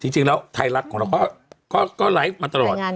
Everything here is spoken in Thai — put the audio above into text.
จริงแล้วไทยรัฐของเราก็ไลฟ์มาตลอด